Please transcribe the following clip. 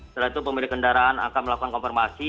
setelah itu pemilik kendaraan akan melakukan konfirmasi